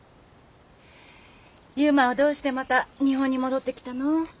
悠磨はどうしてまた日本に戻ってきたの？